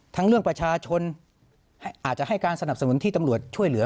เรื่องประชาชนอาจจะให้การสนับสนุนที่ตำรวจช่วยเหลือ